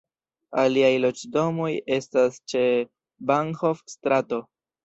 Aliaj loĝdomoj estas ĉe Bahnhof-strato.